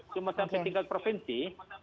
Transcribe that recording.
cuma sampai tingkat provinsi